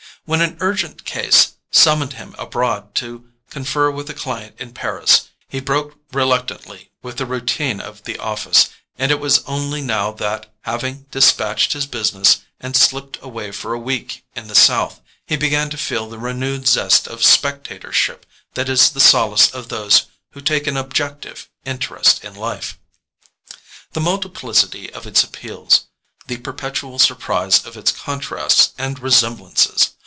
When an urgent case summoned him abroad to confer with a client in Paris, he broke reluctantly with the routine of the office; and it was only now that, having despatched his business, and slipped away for a week in the south, he began to feel the renewed zest of spectatorship that is the solace of those who take an objective interest in life. The multiplicity of its appeals—the perpetual surprise of its contrasts and resemblances!